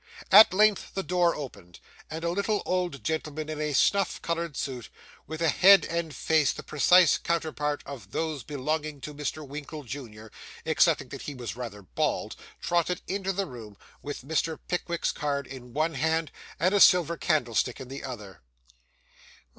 At length the door opened, and a little old gentleman in a snuff coloured suit, with a head and face the precise counterpart of those belonging to Mr. Winkle, junior, excepting that he was rather bald, trotted into the room with Mr. Pickwick's card in one hand, and a silver candlestick in the other.